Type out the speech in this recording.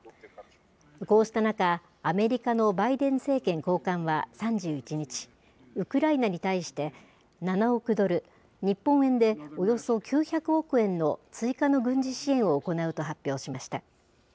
こうした中、アメリカのバイデン政権高官は３１日、ウクライナに対して７億ドル、日本円でおよそ９００億円の追加の軍事支援を行うと発表しました。